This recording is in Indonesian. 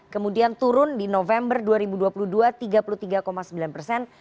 kemudian turun di november dua ribu dua puluh dua tiga puluh tiga sembilan persen